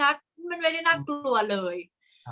กากตัวทำอะไรบ้างอยู่ตรงนี้คนเดียว